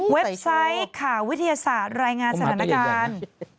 ไซต์ข่าววิทยาศาสตร์รายงานสถานการณ์